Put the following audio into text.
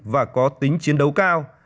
và có tính chiến đấu cao